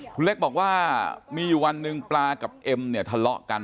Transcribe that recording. คุณเล็กบอกว่ามีอยู่วันหนึ่งปลากับเอ็มเนี่ยทะเลาะกัน